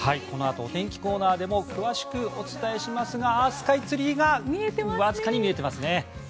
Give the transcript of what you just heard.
このあとお天気コーナーでも詳しくお伝えしますがスカイツリーがわずかに見えていますね。